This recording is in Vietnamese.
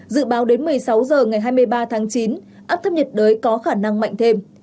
dự báo đến một mươi sáu h ngày hai mươi ba tháng chín áp thấp nhiệt đới có khả năng mạnh thêm